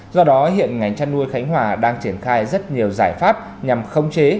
do đó hiện ngành chăn nuôi khánh hòa đang triển khai rất nhiều giải pháp nhằm khống chế